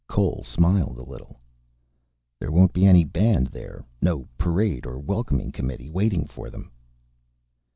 Cole smiled a little, "There won't be any band, there. No parade or welcoming committee waiting for them."